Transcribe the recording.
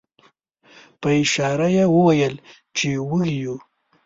په اشاره یې وویل چې وږي یو.